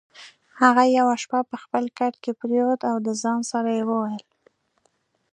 هغه یوه شپه په خپل کټ کې پرېوت او د ځان سره یې وویل: